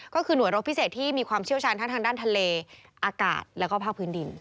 ก็คือหน่วยรบพิเศษที่มีความเชี่ยวชาญทั้งทางด้านทะเลอากาศแล้วก็ภาคพื้นดิน